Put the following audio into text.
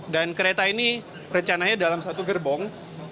dan kereta ini rencananya dalam satu gerbong